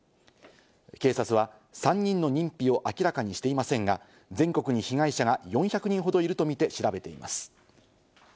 警察は３人の認否を明らかにしていませんが、全国に被害者が４００人ほどいるとみて調べています。